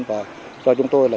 và do chúng tôi là